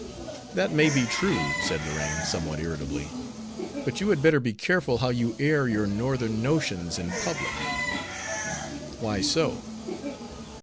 "That may be true," said Lorraine, somewhat irritably, "but you had better be careful how you air your Northern notions in public." "Why so?"